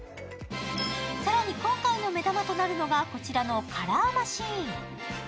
更に、今回の目玉となるのがこちらのカラーマシン。